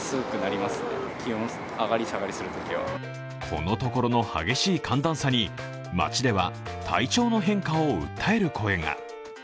このところの激しい寒暖差に街では体調の変化を訴える声が。